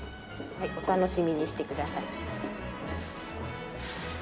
はいお楽しみにしてください。